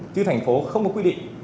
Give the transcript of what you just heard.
chứ thành phố không có quy định